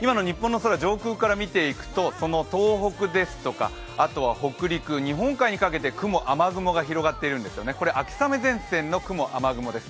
今の日本の空、上空から見ていくと東北ですとか、北陸、日本海にかけて、雲・雨雲が広がっているんですよね、これは秋雨前線の雲・雨雲です。